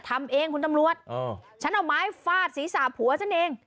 ทำเองคุณตำรวจฉันเอาไม้ฟาดศีรษะผัวฉันเอง